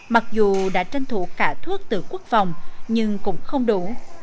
mặc dù đã tranh thủ cả thuốc từ quốc phòng nhưng cũng không đủ